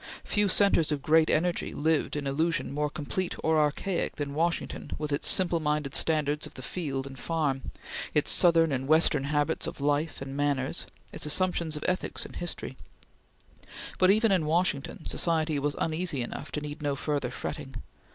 Few centres of great energy lived in illusion more complete or archaic than Washington with its simple minded standards of the field and farm, its Southern and Western habits of life and manners, its assumptions of ethics and history; but even in Washington, society was uneasy enough to need no further fretting.